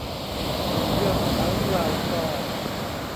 เทือกเถาเหล่ากอ